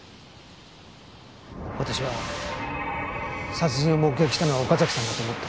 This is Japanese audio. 私は殺人を目撃したのは岡崎さんだと思った。